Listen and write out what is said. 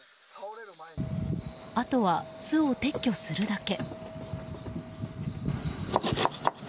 あとは巣を撤去するだけ。